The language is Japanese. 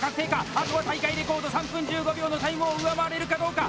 あとは、大会レコード３分１５秒のタイムを上回れるかどうか。